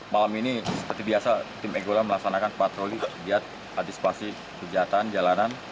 malam ini seperti biasa tim ego melaksanakan patroli giat antisipasi kejahatan jalanan